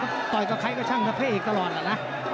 ต่อยกับใครก็ช่างกับพระเอกตลอดแหละนะ